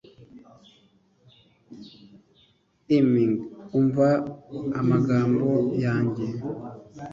Img umva amagambo yanjye